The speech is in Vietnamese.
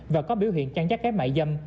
và có biểu hiện chăn chắc cái mại dâm